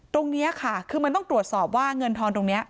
ตรงนี้ค่ะคือมันต้องตรวจสอบว่าเงินทอนตรงนี้